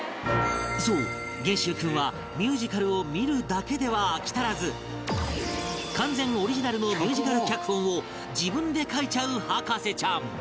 そう元秀君はミュージカルを見るだけでは飽き足らず完全オリジナルのミュージカル脚本を自分で書いちゃう博士ちゃん